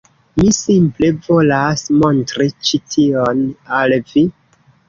Mi simple volas montri ĉi tion al vi.